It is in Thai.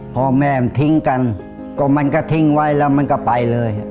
พ่อแม่มันทิ้งกันก็มันก็ทิ้งไว้แล้วมันก็ไปเลย